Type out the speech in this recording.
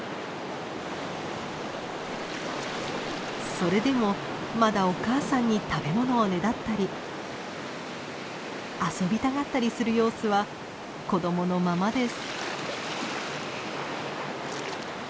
それでもまだお母さんに食べものをねだったり遊びたがったりする様子は子供のままです。